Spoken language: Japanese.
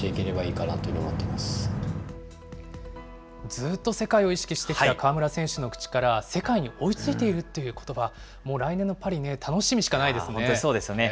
ずっと世界を意識してきた河村選手の口から、世界に追いついているということば、もう来年のパリね、楽しみし本当にそうですよね。